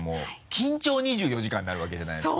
「緊張２４時間」になるわけじゃないですか。